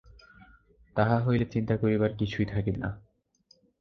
তাহা হইলে চিন্তা করিবার কিছুই থাকিবে না।